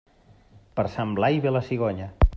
Per Sant Blai ve la cigonya.